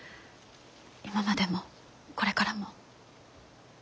今までもこれからも。